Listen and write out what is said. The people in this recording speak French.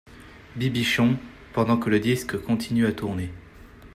Bibichon, pendant que le disque continue à tourner.